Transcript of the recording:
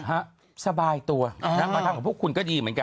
ฮะสบายตัวมาทำของพวกคุณก็ดีเหมือนกัน